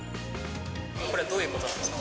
これ、どういうことですか。